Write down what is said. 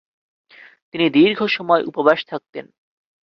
তিনি দীর্ঘ সময় উপবাস থাকতেন।